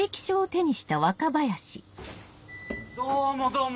どうもどうも！